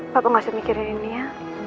papa gak usah mikirin ini ya